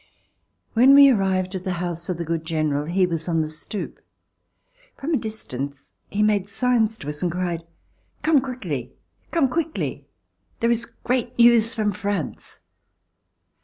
When we arrived at the house of the good General, he was on the stoop. From a distance he made signs to us and cried: "Come quickly, come quickly! There is great news from France!"